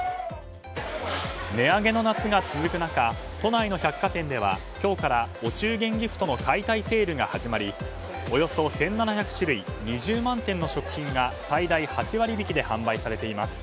値上げの夏が続く中都内の百貨店では今日からお中元ギフトの解体セールが始まりおよそ１７００種類２０万点の食品が最大８割引きで販売されています。